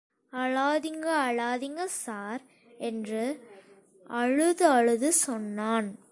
அழாதிங்க... அழாதிங்க... சார் என்று அழுதழுது சொன்னான்.